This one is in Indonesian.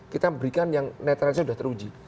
kita berikan yang netralitasnya sudah teruji